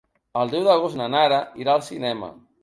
El deu d'agost na Nara irà al cinema.